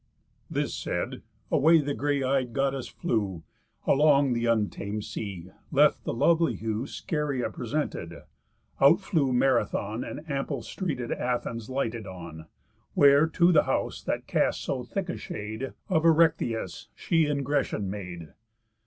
This said, away the grey eyed Goddess flew Along th' untam'd sea, left the lovely hue Scheria presented, out flew Marathon, And ample streeted Athens lighted on; Where to the house, that casts so thick a shade, Of Erechtheüs she ingression made.